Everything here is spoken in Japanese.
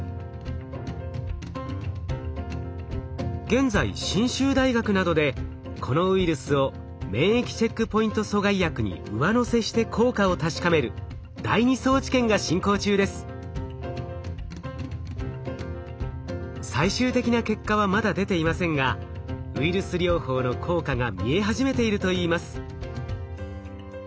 現在信州大学などでこのウイルスを免疫チェックポイント阻害薬に上乗せして効果を確かめる最終的な結果はまだ出ていませんがウイルス療法の効果が見え始めているといいます。